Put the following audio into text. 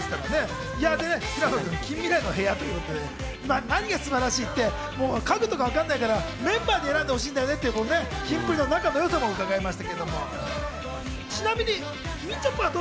平野くん、近未来の部屋ということで何が素晴らしいって家具とか分かんないからメンバーに選んでほしいんだねっていうキンプリの仲の良さもうかがえました。